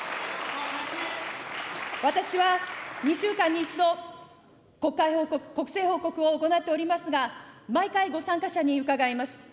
私は２週間に１度、国政報告を行っておりますが、毎回、ご参加者に伺います。